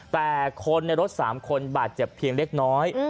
แต่คนในรถ๓คนบาดเจ็บเพียงเล็กน้อย